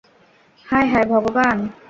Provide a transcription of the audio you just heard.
হায় হায় ভগবান!